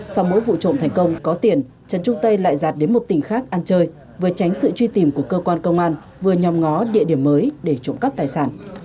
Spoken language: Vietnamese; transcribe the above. sau mỗi vụ trộm thành công có tiền trần trung tây lại giạt đến một tỉnh khác ăn chơi vừa tránh sự truy tìm của cơ quan công an vừa nhóm ngó địa điểm mới để trộm cắp tài sản